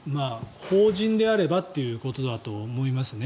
法人であればということだと思います。